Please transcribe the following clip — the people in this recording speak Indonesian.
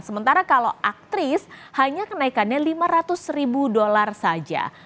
sementara kalau aktris hanya kenaikannya lima ratus ribu dolar saja